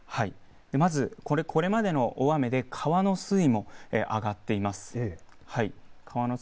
これまでの大雨で川の水位も上がっています。